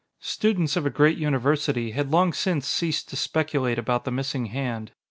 ] Students of a great university had long since ceased to speculate about the missing hand.